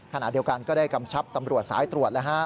ขณะเดียวกันก็ได้กำชับตำรวจสายตรวจแล้วฮะ